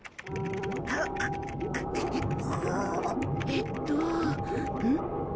えっとんっ？